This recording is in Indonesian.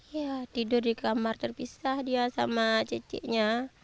iya tidur di kamar terpisah dia sama ceciknya